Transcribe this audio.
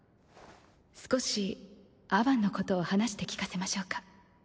少しアバンのことを話して聞かせましょうか？